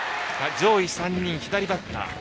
上位３人、左バッター。